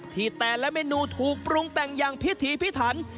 ที่แต่ละเมนูถูกปรุงแต่งอย่างพิธีพิถัน